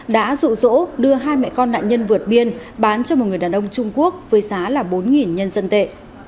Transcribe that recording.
đã rụ rỗ đưa hai mẹ con nạn nhân vượt biên bán cho một người đàn ông trung quốc với giá là bốn nhân dân tệ